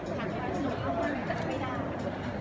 พี่แม่ที่เว้นได้รับความรู้สึกมากกว่า